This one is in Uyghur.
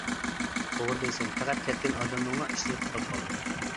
-توغرا دەيسەن، پەقەت كەتكەن ئادەمنىڭلا ئىشلىرى توختاپ قالىدۇ.